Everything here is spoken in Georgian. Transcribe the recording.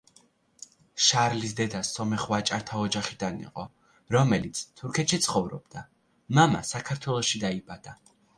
შარლის დედა სომეხ ვაჭართა ოჯახიდან იყო, რომელიც თურქეთში ცხოვრობდა, მამა საქართველოში დაიბადა.